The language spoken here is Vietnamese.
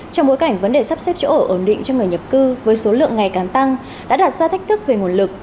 trong bối cảnh vấn đề sắp xếp chỗ ở ổn định cho người nhập cư với số lượng ngày càng tăng đã đạt ra thách thức về nguồn lực